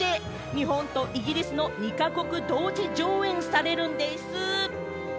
日本とイギリスの２か国同時上演されるんでぃす。